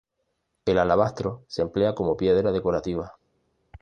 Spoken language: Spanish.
El alabastro se emplea como piedra decorativa.